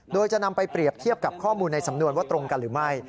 โดยจะนำไปเปรียบเทียบกับข้อมูลในสำนวนว่าตรงกันหรือไม่